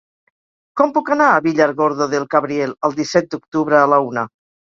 Com puc anar a Villargordo del Cabriel el disset d'octubre a la una?